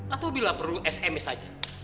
atau bila perlu sms saja